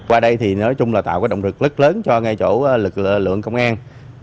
qua đây thì nói chung là tạo động lực rất lớn cho ngay chỗ lực lượng công an